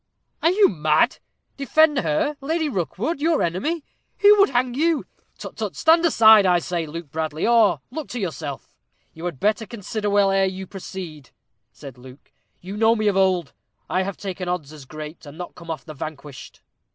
"Are you mad? Defend her Lady Rookwood your enemy who would hang you? Tut, tut! Stand aside, I say, Luke Bradley, or look to yourself." "You had better consider well ere you proceed," said Luke. "You know me of old. I have taken odds as great, and not come off the vanquished."